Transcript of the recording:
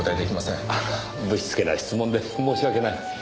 ぶしつけな質問で申し訳ない。